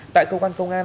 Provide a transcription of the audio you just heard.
tại công an công an